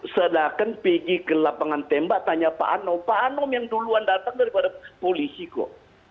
sedangkan pg ke lapangan tembak tanya pak anom pak anom yang duluan datang daripada polisi kok